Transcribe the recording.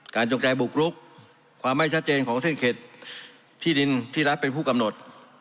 จงใจบุกลุกความไม่ชัดเจนของเส้นเข็ดที่ดินที่รัฐเป็นผู้กำหนด